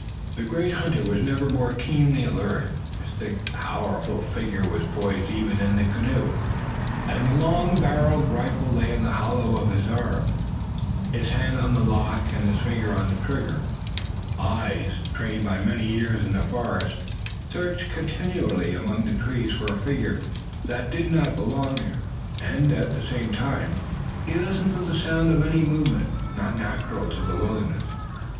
The great hunter was never more keenly alert. His thick, powerful figure was poised evenly in the canoe, and the long barreled rifle lay in the hollow of his arm, his hand on the lock and his finger on the trigger. Eyes, trained by many years in the forest, searched continually among the trees for a figure that did not belong there, and, at the same time, he listened for the sound of any movement not natural to the wilderness.